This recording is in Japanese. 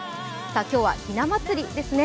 今日はひな祭りですね。